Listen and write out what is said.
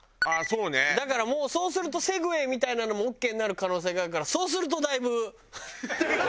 だからもうそうするとセグウェイみたいなのもオーケーになる可能性があるからそうするとだいぶ。